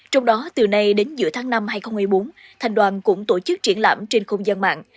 trong đó từ nay đến giữa tháng năm hai nghìn một mươi bốn thành đoàn cũng tổ chức triển lãm trên không gian mạng